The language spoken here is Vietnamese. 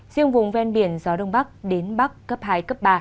riêng vùng ven biển gió đông bắc đến bắc cấp hai cấp ba